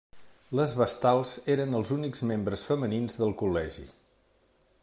Les vestals eren els únics membres femenins del col·legi.